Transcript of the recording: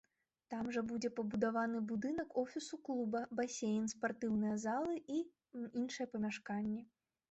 Там жа будзе пабудаваны будынак офісу клуба, басейн, спартыўныя залы і іншыя памяшканні.